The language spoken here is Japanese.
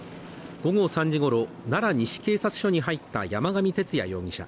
午後３時ごろ、奈良西警察署に入った山上徹也容疑者。